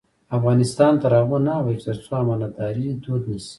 افغانستان تر هغو نه ابادیږي، ترڅو امانتداري دود نشي.